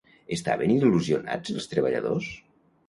Estaven il·lusionats els treballadors?